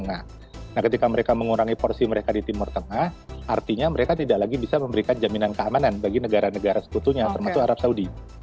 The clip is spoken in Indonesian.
nah ketika mereka mengurangi porsi mereka di timur tengah artinya mereka tidak lagi bisa memberikan jaminan keamanan bagi negara negara sekutunya termasuk arab saudi